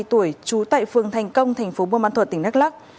ba mươi tuổi trú tại phương thành công thành phố bô mãn thuật tỉnh nắc lắc